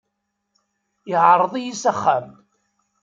Iɛreḍ-iyi s axxam.